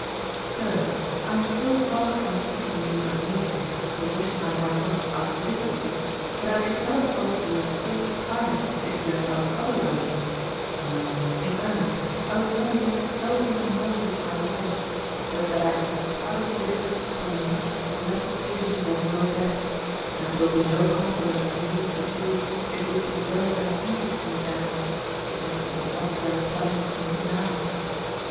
SIR, I am so far from thinking you ill natured for wishing I might not outlive you, that I should not have thought you at all kind if you had done otherwise; no, in earnest, I was never yet so in love with my life but that I could have parted with it upon a much less occasion than your death, and 'twill be no compliment to you to say it would be very uneasy to me then, since 'tis not very pleasant to me now.